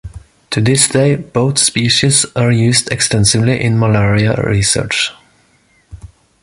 To this day both species are used extensively in malaria research.